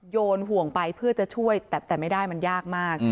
โยนห่วงไปเพื่อจะช่วยแต่ไม่ได้มันยากมาก